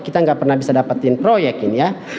kita nggak pernah bisa dapetin proyek ini ya